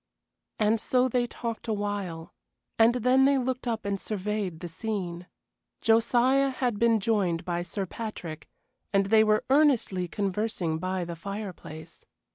And so they talked awhile, and then they looked up and surveyed the scene. Josiah had been joined by Sir Patrick, and they were earnestly conversing by the fireplace.